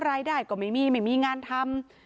รายได้ก็ไม่มีไม่มีงานทำ